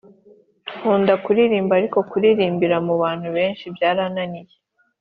Nkunda kuririmba ariko kuririmbira mubantu benshi byarananiye